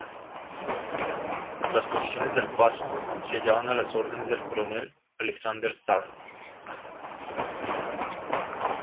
Las posiciones del Paso se hallaban a las órdenes del coronel Alexander Stark.